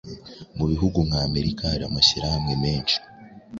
Mu bihugu nka America hari amashyirahamwe menshi